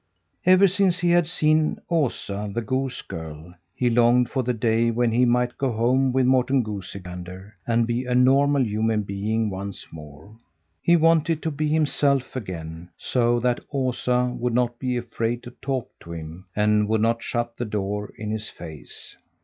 Ever since he had seen Osa, the goose girl, he longed for the day when he might go home with Morten Goosey Gander and be a normal human being once more. He wanted to be himself again, so that Osa would not be afraid to talk to him and would not shut the door in his face.